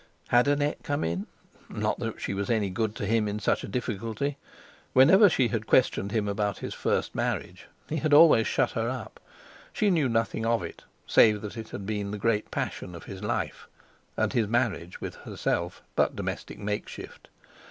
Had Annette come in? Not that she was any good to him in such a difficulty. Whenever she had questioned him about his first marriage, he had always shut her up; she knew nothing of it, save that it had been the great passion of his life, and his marriage with herself but domestic makeshift.